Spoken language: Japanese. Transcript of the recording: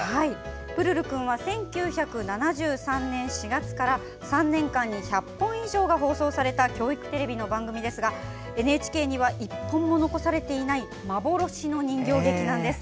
「プルルくん」は１９７３年４月から３年間に１００本以上が放送された教育テレビの番組ですがＮＨＫには１本も残されていない幻の人形劇なんです。